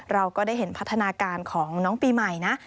เราก็ได้เห็นพัฒนาการของน้องปีใหม่นะ